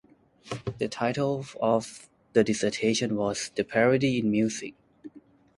The title of the dissertation was "The Parody in Music".